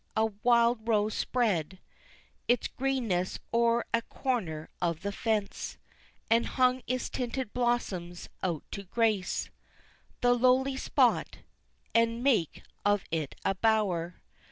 A wild rose spread Its greenness o'er a corner of the fence, And hung its tinted blossoms out to grace The lowly spot, and make of it a bower.